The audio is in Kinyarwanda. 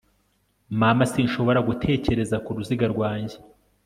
mama, sinshobora gutekereza ku ruziga rwanjye